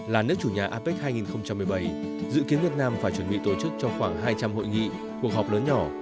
là nước chủ nhà apec hai nghìn một mươi bảy dự kiến việt nam phải chuẩn bị tổ chức cho khoảng hai trăm linh hội nghị cuộc họp lớn nhỏ